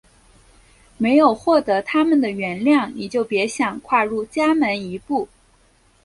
没有获得它们的原谅你就别想跨入家门一步！